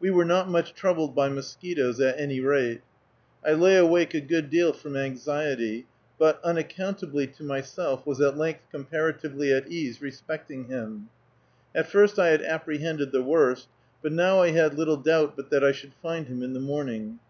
We were not much troubled by mosquitoes at any rate. I lay awake a good deal from anxiety, but, unaccountably to myself, was at length comparatively at ease respecting him. At first I had apprehended the worst, but now I had little doubt but that I should find him in the morning.